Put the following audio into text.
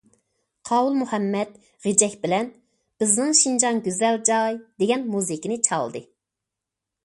قاۋۇل مۇھەممەت غېجەك بىلەن« بىزنىڭ شىنجاڭ گۈزەل جاي» دېگەن مۇزىكىنى چالدى.